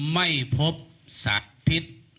ไม่พบสักพิษ